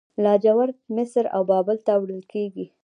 لاجورد مصر او بابل ته وړل کیدل